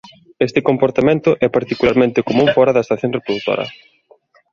Este comportamento é particularmente común fóra da estación reprodutora.